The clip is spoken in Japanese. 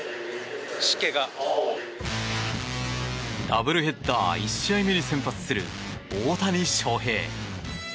ダブルヘッダー１試合目に先発する大谷翔平。